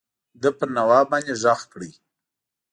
ده پر نواب باندي ږغ کړی.